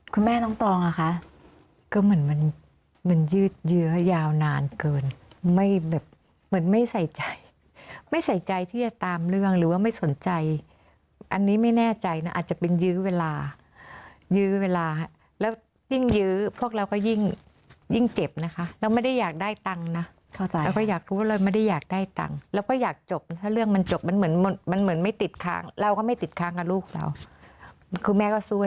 คุณแม่ต้องตรองอะคะก็เหมือนมันมันยืดเยื้อยาวนานเกินไม่แบบเหมือนไม่ใส่ใจไม่ใส่ใจที่จะตามเรื่องหรือว่าไม่สนใจอันนี้ไม่แน่ใจนะอาจจะเป็นยื้อเวลายื้อเวลาแล้วยิ่งยื้อพวกเราก็ยิ่งยิ่งเจ็บนะคะเราไม่ได้อยากได้ตังค์นะเข้าใจเราก็อยากรู้เลยไม่ได้อยากได้ตังค์เราก็อยากจบถ้าเรื่องมันจบมันเหมือนมันเหม